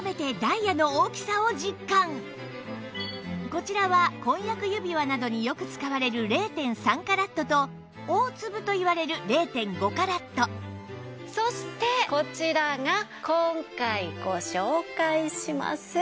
こちらは婚約指輪などによく使われる ０．３ カラットと大粒といわれる ０．５ カラットそしてこちらが今回ご紹介します